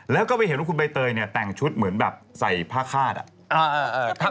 แล้วก็ไปเห็นว่าคุณใบเตยเนี่ยแต่งชุดเหมือนแบบใส่ผ้าคาดอะ